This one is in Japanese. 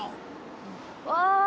わあ。